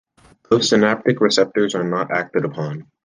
Postsynaptic receptors are not acted upon.